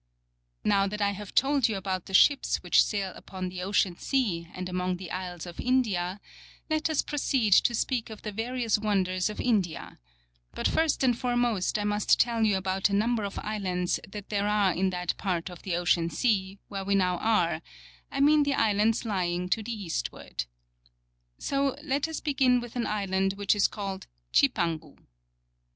^ Now that I have told you about the ships which sail upon the Ocean Sea and among the Isles of India, let us proceed to speak of the various wonders of India ; but first and foremost I must tell you about a number of Islands that there are in that part of the Ocean Sea where we now are, I mean the Islands lying to the eastward. So let us begin with an Island which is called Chipangu.